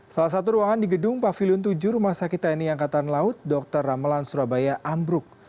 salah satu ruangan di gedung pavilion tujuh rumah sakit tni angkatan laut dr ramelan surabaya ambruk